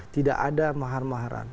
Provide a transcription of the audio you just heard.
tidak ada mahar maharan